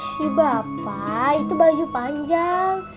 si bapak itu baju panjang